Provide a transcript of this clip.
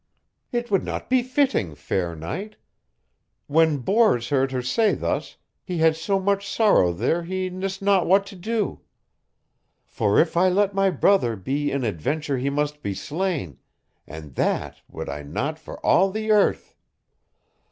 "It would not be fitting, fair knight. When Bors heard her say thus he had so much sorrow there he nyst not what to do. For if I let my brother be in adventure he must be slain, and that would I not for all the earth.